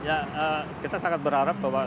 ya kita sangat berharap bahwa